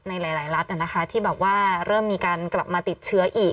ในหลายรัฐที่แบบว่าเริ่มมีการกลับมาติดเชื้ออีก